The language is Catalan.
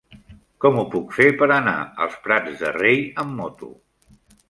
Com ho puc fer per anar als Prats de Rei amb moto?